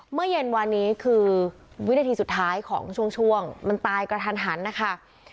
เมื่อเย็นวานนี้คือวินาทีสุดท้ายของช่วงมันตายกระทันหันนะคะ